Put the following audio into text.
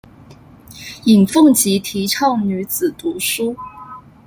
尹奉吉提倡女子读书。